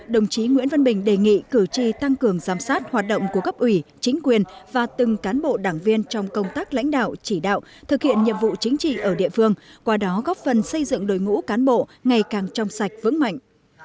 đồng chí nguyễn văn bình đề nghị cử tri tăng cường giám sát hoạt động của cấp ủy chính quyền và từng cán bộ đảng viên trong công tác lãnh đạo chỉ đạo thực hiện nhiệm vụ chính trị ở địa phương qua đó góp phần xây dựng đội ngũ cán bộ ngày càng trong sạch vững mạnh